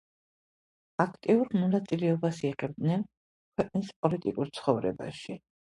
აქტიურ მონაწილეობას იღებდნენ ქვეყნის პოლიტიკურ ცხოვრებაში.